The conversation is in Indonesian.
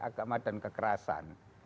agama dan kekerasan